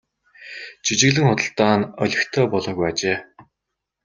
Жижиглэн худалдаа нь олигтой болоогүй ажээ.